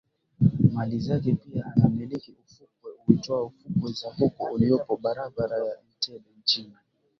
mali zake pia anamiliki ufukwe uitwao fukwe za Coco uliopo Barabara ya Entebbe nchini